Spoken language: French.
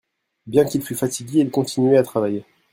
Bien qu'il fût fatigué, il continuait à travailler.